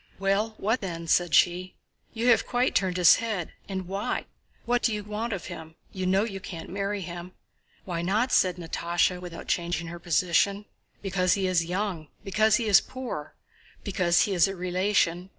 "Well, what then?" said she. "You have quite turned his head, and why? What do you want of him? You know you can't marry him." "Why not?" said Natásha, without changing her position. "Because he is young, because he is poor, because he is a relation...